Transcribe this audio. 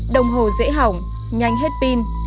đồng hồ dễ hỏng nhanh hết pin